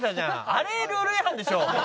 あれルール違反でしょ。